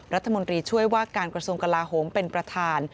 รัฐมนตรีช่วยว่าการกระทรวงกลาโหมเป็นประธาน